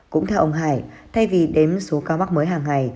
cũng theo ông hải thay vì đếm số ca mắc mới hàng ngày